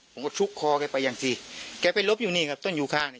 ผมก็ชุกคอแกไปอย่างสิแกไปลบอยู่นี่ครับต้นอยู่ข้างเนี่ย